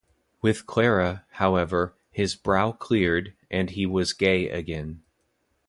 With Clara, however, his brow cleared, and he was gay again.